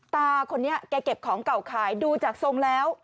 ตาคนนี้แกเก็บของเก่าขายดูจากทรงแล้ว